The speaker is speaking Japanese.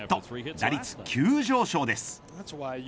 打率急上昇です。